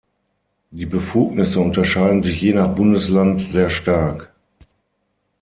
Die Befugnisse unterscheiden sich je nach Bundesland sehr stark.